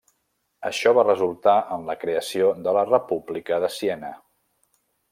Això va resultar en la creació de la República de Siena.